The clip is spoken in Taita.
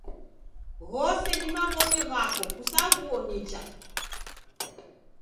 Ghose ni mabonyo ghako kusaghuo nicha.